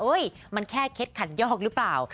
เอ้ยมันแค่เค็ดขันยอกรึเปล่า